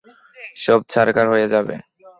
সব ছারখার হয়ে যাবে।